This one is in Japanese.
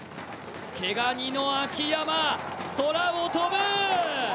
毛ガニの秋山、空を飛ぶ。